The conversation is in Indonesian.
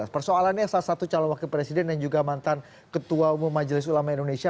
persoalannya salah satu calon wakil presiden dan juga mantan ketua umum majelis ulama indonesia